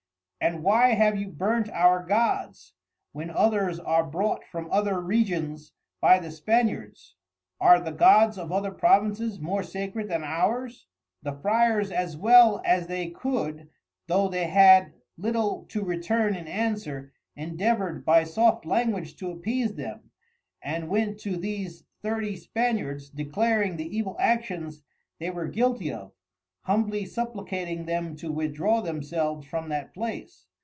And why have you burnt our Gods, when others are brought from other Regions by the Spaniards? Are the Gods of other Provinces more sacred than ours? The Friers as well as they could (though they had little to return in answer) endevour'd by soft Language to appease them; and went to these Thirty Spaniards, declaring the evil actions they were guilty of, humbly supplicating them to withdraw themselves from that place.